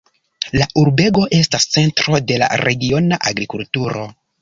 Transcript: La urbego estas centro de la regiona agrikulturo.